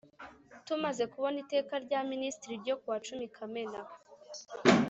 Tumaze kubona iteka rya Minisitiri n ryo kuwa cumi kamena